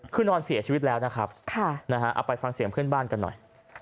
คือนอนเสียชีวิตแล้วนะครับเอาไปฟังเสียงเพื่อนบ้านกันหน่อย